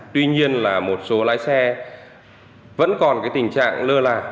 tuy nhiên là một số lái xe vẫn còn tình trạng lơ lành